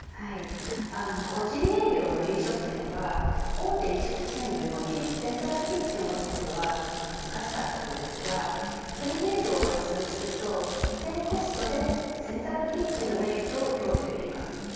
個人営業の飲食店は大手飲食チェーンのようにセントラルキッチンを持つことは難しかったのですがプリメイドを活用すると低コストでセントラルキッチンのメリットを享受できます。